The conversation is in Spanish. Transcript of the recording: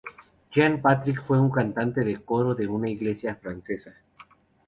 Jean Patrick fue un cantante de coro de una iglesia francesa.